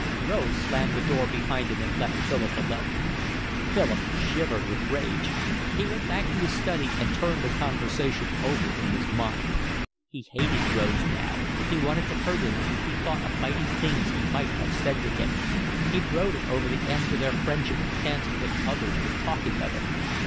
Rose slammed the door behind him and left Philip alone. Philip shivered with rage. He went back to his study and turned the conversation over in his mind. He hated Rose now, he wanted to hurt him, he thought of biting things he might have said to him. He brooded over the end to their friendship and fancied that others were talking of it.